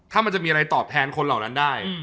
ถ้ามันจะมีอะไรตอบแทนคนเหล่านั้นได้